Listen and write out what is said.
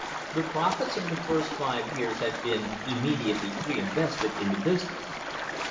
The profits of the first five years had been immediately reinvested in the business.